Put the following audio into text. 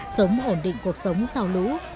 sống ổn định cuộc sống sau lũ